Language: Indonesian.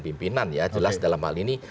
pimpinan ya jelas dalam hal ini